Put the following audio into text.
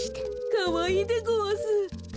かわいいでごわす。